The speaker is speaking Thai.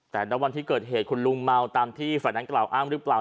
แต่ณวันที่เกิดเหตุคุณลุงเมาตามที่ฝ่ายนั้นกล่าวอ้างหรือเปล่า